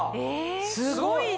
すごいね。